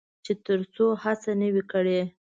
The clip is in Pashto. چې تر څو هڅه نه وي کړې.